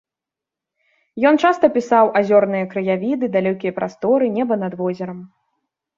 Ён часта пісаў азёрныя краявіды, далёкія прасторы, неба над возерам.